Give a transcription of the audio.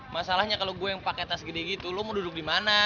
masalahnya kalo gue yang pake tas gede gitu lo mau duduk dimana